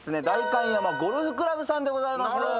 代官山ゴルフ倶楽部さんでございます。